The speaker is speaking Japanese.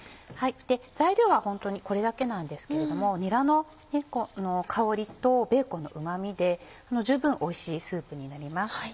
材料はホントにこれだけなんですけれどもにらの香りとベーコンのうま味で十分おいしいスープになります。